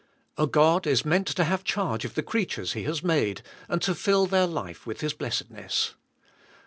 A God is meant to have charg e of the creatures He has made and to fill their life with His blessedness.